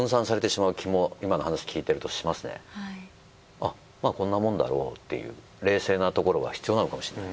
あっまぁこんなもんだろうっていう冷静なところが必要なのかもしれない。